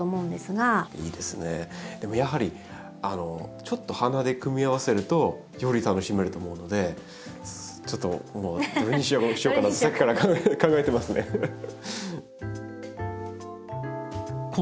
でもやはりちょっと花で組み合わせるとより楽しめると思うのでちょっともうどれにしようかなってさっきから考えてますね。